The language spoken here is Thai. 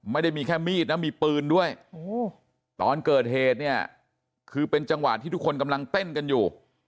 ไม่ได้มีแค่มีดนะมีปืนด้วยตอนเกิดเหตุเนี่ยคือเป็นจังหวะที่ทุกคนกำลังเต้นกันอยู่